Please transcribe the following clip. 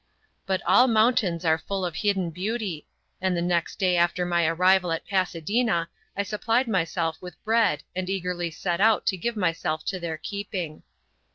But all mountains are full of hidden beauty, and the next day after my arrival at Pasadena I supplied myself with bread and eagerly set out to give myself to their keeping.